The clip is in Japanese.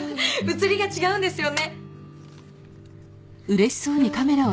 写りが違うんですよね。